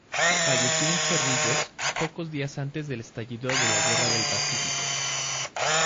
Falleció en Chorrillos, pocos días antes del estallido de la guerra del Pacífico.